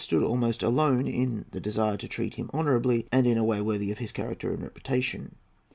stood almost alone in the desire to treat him honourably and in a way worthy of his character and reputation.